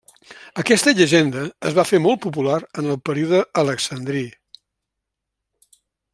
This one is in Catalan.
Aquesta llegenda es va fer molt popular en el període alexandrí.